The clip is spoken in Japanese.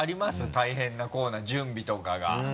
大変なコーナー準備とかが。